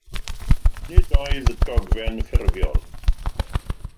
Nid oedd dogfen ffurfiol.